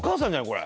これ。